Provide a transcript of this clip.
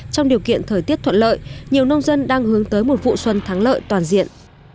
trong điều kiện thời tiết thuận lợi nhiều nông dân đang hướng tới một vụ xuân thắng lợi toàn diện